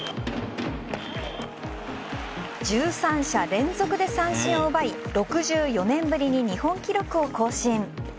１３者連続で三振を奪い６４年ぶりに日本記録を更新。